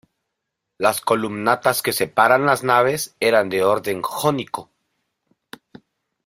Las columnatas que separan las naves eran de orden jónico.